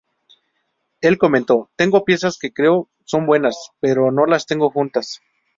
El comento, "Tengo piezas que creo son buenas, pero no las tengo juntas.